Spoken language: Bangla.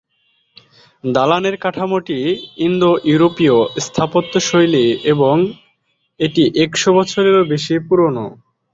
দালানের কাঠামোটি ইন্দো-ইউরোপীয় স্থাপত্যে শৈলীর এবং এটি একশো বছরেরও বেশি পুরানো।